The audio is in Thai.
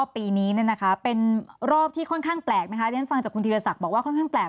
ปีนี้เป็นรอบที่ค่อนข้างแปลกนะคะเรียนฟังจากคุณธีรศักดิ์บอกว่าค่อนข้างแปลก